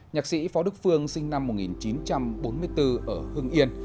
nhạc sĩ phó đức phương sinh năm một nghìn chín trăm bốn mươi bốn ở hưng yên